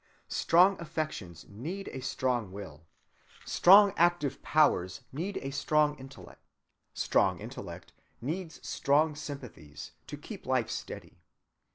Strong affections need a strong will; strong active powers need a strong intellect; strong intellect needs strong sympathies, to keep life steady.